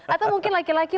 atau mungkin laki laki